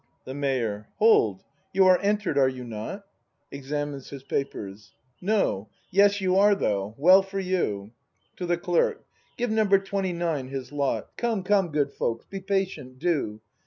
The Mayor. Hold. You are enter'd, are you not? [Examines his papers.] No. Yes, you are though. Well for you. [To the Clerk.] Give Number Twenty nine his lot. Come, come, good folks, be patient, do!